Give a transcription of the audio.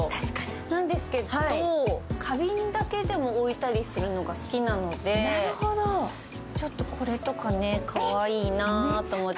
なんですけど、花瓶だけでも置いたりするのが好きなので、これとかかわいいなと思って。